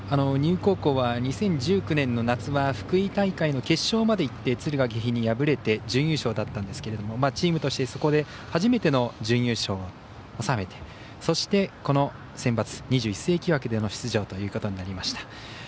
丹生高校は２０１９年の夏は福井大会の決勝まで行って敦賀気比に敗れて準優勝だったんですけれどもチームとしてそこで初めての準優勝を収めてそして、このセンバツ２１世紀枠での出場ということになりました。